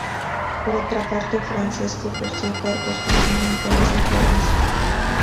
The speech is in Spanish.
Por otra parte, Francesco ejerció cargos gubernamentales en Florencia.